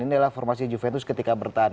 ini adalah formasi juventus ketika bertahan